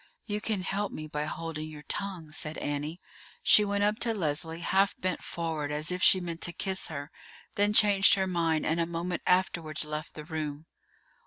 "You can help me by holding your tongue," said Annie. She went up to Leslie, half bent forward as if she meant to kiss her, then changed her mind, and a moment afterwards left the room.